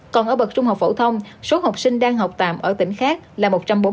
còn ở bậc trung học phổ thông số học sinh đang học tạm ở tỉnh khác là một trăm bốn mươi